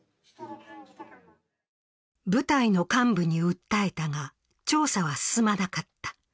部隊の幹部に訴えたが調査は進まなかった。